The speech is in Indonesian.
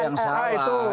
apa yang salah